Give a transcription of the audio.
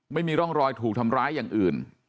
ไม่มีร่องรอยถูกทำร้ายอย่างอื่น